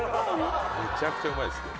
めちゃくちゃうまいですね